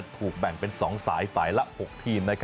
แบ่งเป็น๒สายสายละ๖ทีม